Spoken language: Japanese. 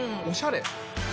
おしゃれ。